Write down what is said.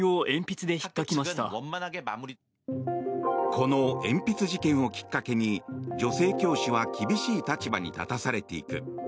この鉛筆事件をきっかけに女性教師は厳しい立場に立たされていく。